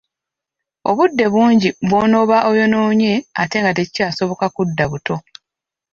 Obudde bungi bw'onooba oyonoonye ate nga tekikyabosoka kudda buto.